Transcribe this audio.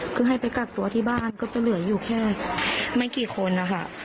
คือให้ไปกักตัวที่บ้านก็จะเหลืออยู่แค่ไม่กี่คนนะคะ